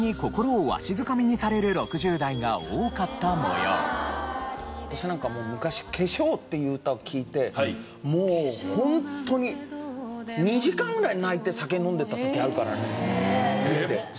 そこに私はなんかもう昔『化粧』っていう歌を聴いてもうホントに２時間ぐらい泣いて酒飲んでた時あるからね家で。